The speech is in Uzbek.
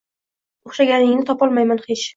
O’xshashingni topolmayman hech